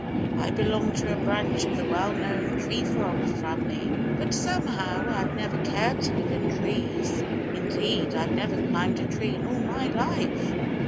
I belong to a branch of the well known Tree Frog family. But somehow I've never cared to live in trees. Indeed, I've never climbed a tree in all my life."